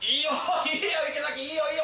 いいよ！